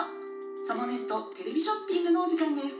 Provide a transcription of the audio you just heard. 『サボネットテレビショッピング』のおじかんです」。